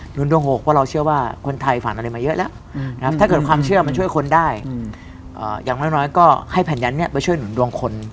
นุนดวง๖เพราะเราเชื่อว่าคนไทยฝันอะไรมาเยอะแล้วนะครับถ้าเกิดความเชื่อมันช่วยคนได้อย่างน้อยก็ให้แผ่นยันนี้ไปช่วยหนุนดวงคน